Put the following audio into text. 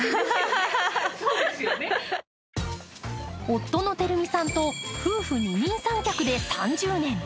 夫の照巳さんと夫婦二人三脚で３０年。